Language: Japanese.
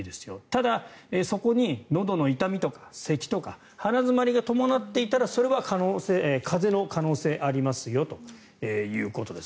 ただ、そこにのどの痛みとかせきとか鼻詰まりが伴っていたらそれは風邪の可能性ありますよということです。